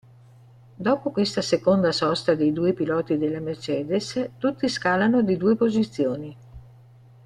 Dopo questa seconda sosta dei due piloti della Mercedes, tutti scalano di due posizioni.